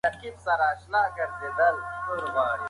دا فاصله زموږ او د سپوږمۍ ترمنځ د واټن شپاړس چنده ده.